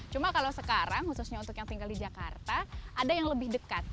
cuma kalau sekarang khususnya untuk yang tinggal di jakarta ada yang lebih dekat